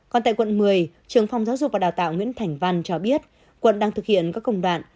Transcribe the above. còn tại quận một mươi trường phòng giáo dục và đào tạo nguyễn thảnh văn cho biết quận đang thực hiện các công đoạn